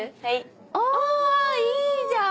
あいいじゃん！